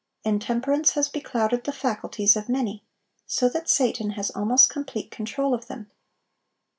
Intemperance has beclouded the faculties of many, so that Satan has almost complete control of them.